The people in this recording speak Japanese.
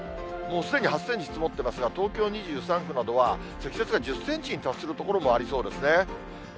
もうすでに８センチ積もってますが、東京２３区などは、積雪が１０センチに達する所もありそうですね。